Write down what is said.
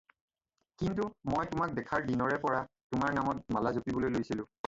কিন্তু, মই তোমাক দেখাৰ দিনৰে পৰা তোমাৰ নামৰ মালা জপিবলৈ লৈছিলোঁ।